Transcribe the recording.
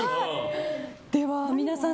では皆さん